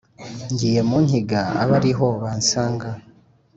ngiye mu nkiga abe ari ho bansanga,